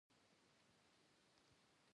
رسۍ که ضعیفه وي، پرې کېږي.